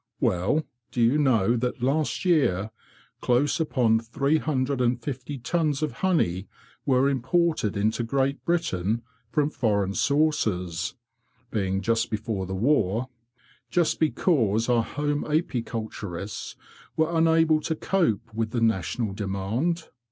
Well, do you know that last year close upon three hundred and fifty tons of honey were imported into Great Britain from foreign sources,* just because our home apiculturists were unable to cope with the national demand?